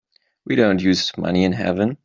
We don't use money in heaven.